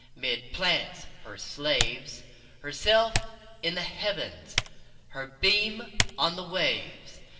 'Mid planets her slaves, Herself in the Heavens, Her beam on the waves.